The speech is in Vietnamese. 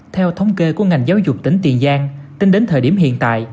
theo thống kê của ngành giáo dục tỉnh tiền giang tính đến thời điểm hiện tại